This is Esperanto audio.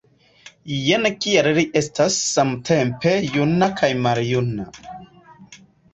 Jen kial li estas samtempe juna kaj maljuna.